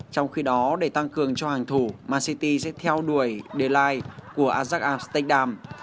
trong khi đó để tăng cường cho hàng thủ man city sẽ theo đuổi de ligt của ajax amsterdam